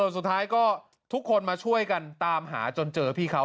สุดท้ายก็ทุกคนมาช่วยกันตามหาจนเจอพี่เขา